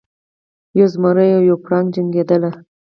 یو زمری او یو پړانګ جنګیدل.